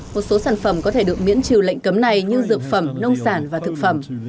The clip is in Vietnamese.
một số sản phẩm có thể được miễn trừ lệnh cấm này như dược phẩm nông sản và thực phẩm